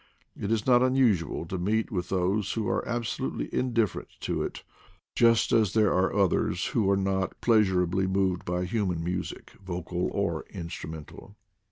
It is not unusual to meet with those who are abso lutely indifferent to it, just as there are others who are not pleasurably moved by human music, vocal or instrumental.